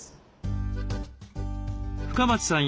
深町さん